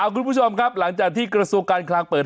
คุณผู้ชมครับหลังจากที่กระทรวงการคลังเปิด